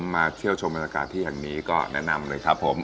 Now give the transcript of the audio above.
มาเที่ยวชมบรรยากาศที่แห่งนี้ก็แนะนำเลยครับผม